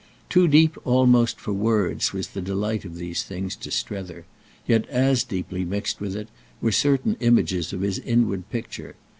Too deep almost for words was the delight of these things to Strether; yet as deeply mixed with it were certain images of his inward picture.